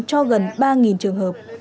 cho gần ba trường hợp